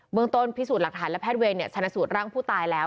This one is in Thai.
เมืองต้นพิสูจน์หลักฐานและแพทย์เวรชนะสูตรร่างผู้ตายแล้ว